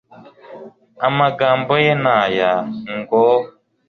Amagambo ye ni aya, ngo: